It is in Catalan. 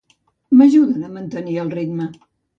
M'ajuden a mantenir el ritme.